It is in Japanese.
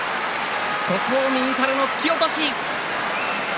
そこを右からの突き落とし。